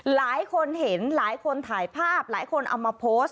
หลายคนเห็นหลายคนถ่ายภาพหลายคนเอามาโพสต์